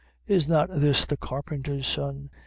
Is not this the carpenter's son?